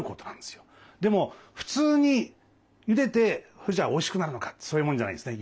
でも普通にゆでておいしくなるのかってそういうもんじゃないんですね。